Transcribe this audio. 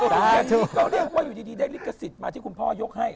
ก็เรียกว่าอยู่ดีได้ลิขสิทธิ์มาที่คุณพ่อยกให้